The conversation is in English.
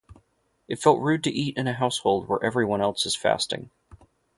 It felt rude to eat in a household where everyone else is fasting.